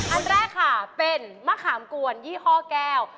อันแรกค่ะเป็นมะขามกวนยี่ห้อแก้ว